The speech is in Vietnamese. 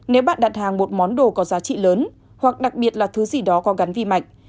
nếu bạn đặt hàng một món đồ có giá trị lớn hoặc đặc biệt là thứ gì đó có gắn vi mạch